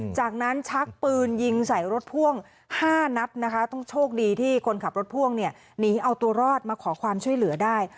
จากนั้นชักปืนยิงใส่รถพ่วง๕นัดนะคะต้องโชคดีที่คนขับรถพ่วงเนี่ยหนีเอาตัวรอดมาขอความช่วยเหลือได้